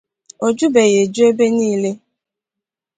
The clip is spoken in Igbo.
o jubeghị eju ebe niile